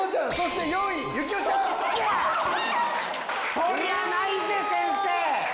そりゃあないぜ先生！